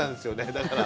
だから。